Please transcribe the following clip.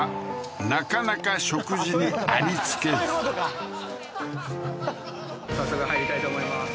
なかなか食事にありつけず早速入りたいと思います